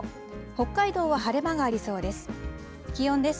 北海道は晴れ間がありそうです。